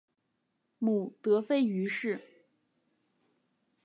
母德妃俞氏。